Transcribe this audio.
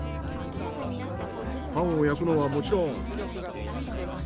パンを焼くのはもちろん。